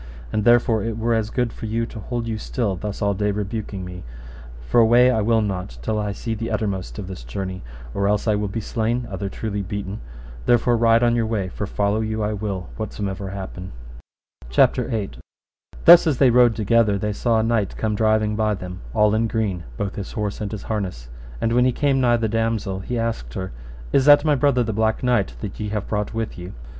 And therefore it were as good for you to hold you still thus all day rebuking me, for away will I not till I see the uttermost of this journey, or else I will be slain, other truly beaten; therefore ride on your way, for follow you I will whatsomever happen. CHAPTER VIII. How the brother of the knight that was slain met with Beaumains, and fought with Beaumains till he was yielden. Thus as they rode together, they saw a knight come driving by them all in green, both his horse and his harness; and when he came nigh the damosel, he asked her, Is that my brother the Black Knight that ye have brought with you?